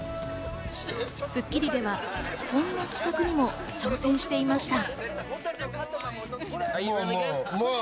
『スッキリ』ではこんな企画にも挑戦していました。